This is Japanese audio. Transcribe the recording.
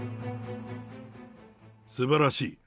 すばらしい。